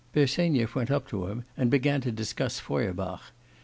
Bersenyev went up to him and began to discuss Feuerbach.